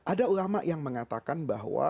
ada ulama yang mengatakan bahwa